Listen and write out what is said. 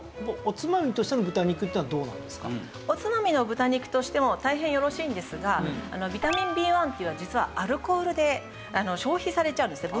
おつまみの豚肉としても大変よろしいんですがビタミンＢ１っていうのは実はアルコールで消費されちゃうんですね。